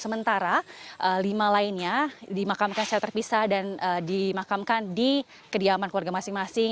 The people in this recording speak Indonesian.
sementara lima lainnya dimakamkan secara terpisah dan dimakamkan di kediaman keluarga masing masing